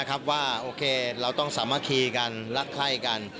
ว่าโอเคเราต้องสามัคคีกันรักไข้กัน